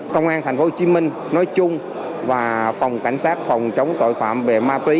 công an tp hcm nói chung và phòng cảnh sát phòng chống tội phạm về ma túy